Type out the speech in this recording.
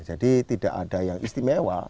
jadi tidak ada yang istimewa